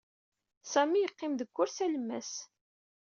Sami iqqim deg kursi alemmas.